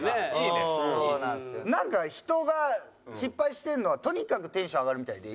なんか人が失敗してるのがとにかくテンション上がるみたいで。